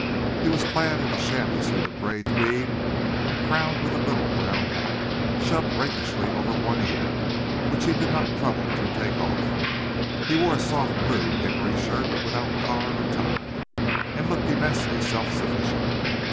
He was clad in a shabby suit of grey tweed and crowned with a little brown hat, shoved rakishly over one ear, which he did not trouble to take off. He wore a soft blue hickory shirt without collar or tie, and looked immensely self sufficient.